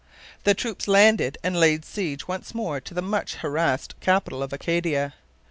The troops landed and laid siege once more to the much harassed capital of Acadia.